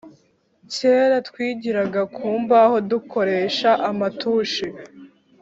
Kera twigiraga ku mbaho dukoresha amatushi